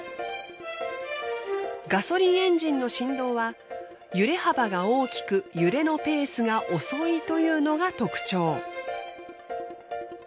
ガソリンエンジンの振動は揺れ幅が大きく揺れのペースが遅いというのが特徴。